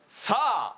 さあ！